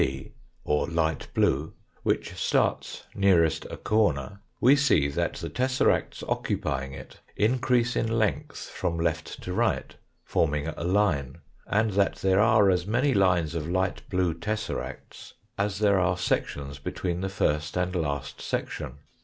b. or light blue, which starts nearest a corner, we see that the tesseracts occupying it increase in length from left to right, forming a line, and that there are as many lines of light blue tesseracts as there are sections between the 168 THE FOURTH DIMENSION first and last section.